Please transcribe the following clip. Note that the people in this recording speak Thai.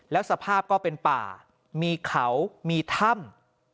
แล้วสภาพก็เป็นป่ามีเขามีถ้ำ